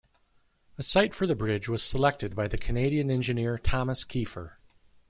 A site for the bridge was selected by the Canadian engineer Thomas Keefer.